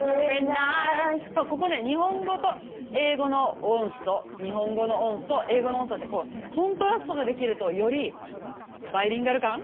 そうここね日本語と英語の音素日本語の音素英語の音素ってこうコントラストができるとよりバイリンガル感？